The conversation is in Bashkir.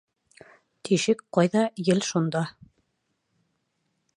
Тишек ҡайҙа ел шунда.